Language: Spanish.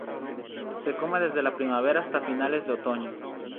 Se come desde la primavera hasta finales de otoño.